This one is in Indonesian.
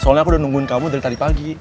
soalnya aku udah nungguin kamu dari tadi pagi